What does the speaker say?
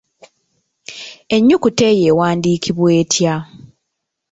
Ennyukuta eyo ewandiikibwa etya?